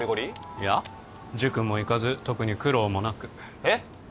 いや塾も行かず特に苦労もなくえっ？